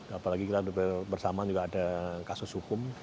apalagi kita bersama juga ada kasus hukum